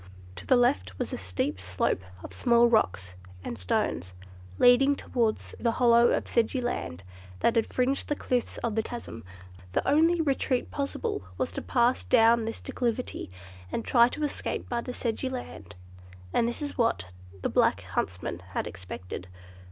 To the left was a steep slope of small rocks and stones, leading downwards to the hollow of sedgy land that fringed the cliffs of the chasm. The only retreat possible was to pass down this declivity, and try to escape by the sedgy land, and this is what the black huntsmen had expected.